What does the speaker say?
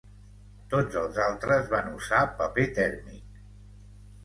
Tots els altres van usar paper tèrmic.